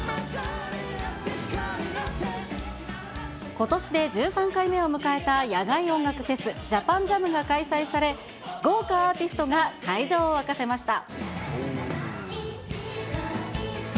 ことしで１３回目を迎えた野外音楽フェス、ＪＡＰＡＮＪＡＭが開催され、豪華アーティストが会場を沸かせました。